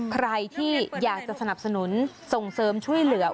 ใครที่อยากจะสนับสนุนส่งเสริมช่วยเหลือ